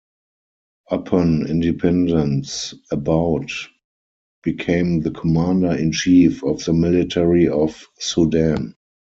Upon independence, Abboud became the Commander in Chief of the Military of Sudan.